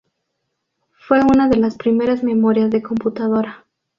Fue una de las primeras memorias de computadora.